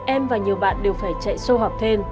em và nhiều bạn đều phải chạy sô học thêm